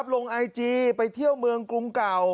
ลงไอจีไปเที่ยวเมืองกรุงเก่า